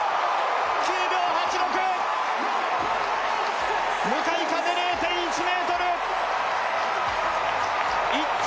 ９秒８６向かい風０．１ｍ１着